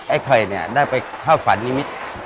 ไอ้ไข่ได้ไปข้าวฝันนิมิตร